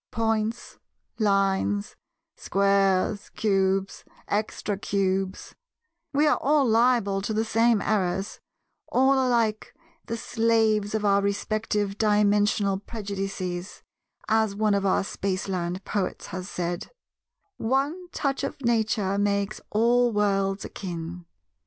Points, Lines, Squares, Cubes, Extra Cubes—we are all liable to the same errors, all alike the Slaves of our respective Dimensional prejudices, as one of our Spaceland poets has said— 'One touch of Nature makes all worlds akin.